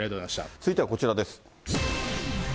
続いてはこちらです。